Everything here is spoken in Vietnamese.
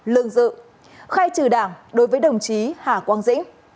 lương dự khai trừ đảng đối với đồng chí hà quang dĩnh